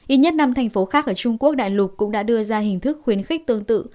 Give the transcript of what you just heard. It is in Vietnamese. ít nhất năm thành phố khác ở trung quốc đại lục cũng đã đưa ra hình thức khuyến khích tương tự